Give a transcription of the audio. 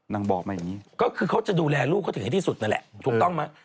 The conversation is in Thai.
บอกมาอย่างนี้ก็คือเขาจะดูแลลูกเขาถึงให้ที่สุดนั่นแหละถูกต้องไหม